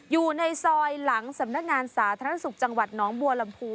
อยู่ในซอยหลังสำนักงานสาธารณสุขจังหวัดน้องบัวลำพู